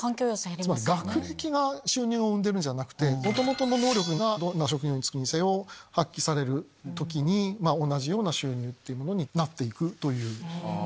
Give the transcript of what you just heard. つまり学歴が収入を生んでるんじゃなくて元々の能力がどんな職業に就くにせよ発揮される時同じような収入になって行く。